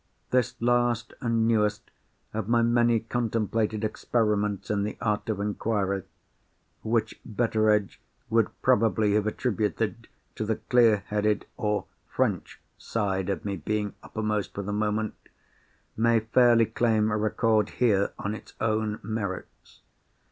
This last and newest of my many contemplated experiments in the art of inquiry—which Betteredge would probably have attributed to the clear headed, or French, side of me being uppermost for the moment—may fairly claim record here, on its own merits.